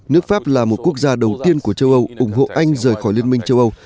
nước pháp là một quốc gia đầu tiên của châu âu ủng hộ anh rời khỏi liên minh châu âu